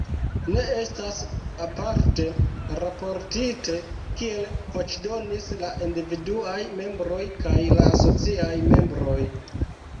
Ne estas aparte raportite, kiel voĉdonis la individuaj membroj kaj la asociaj membroj.